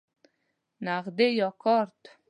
نغدی یا کارت؟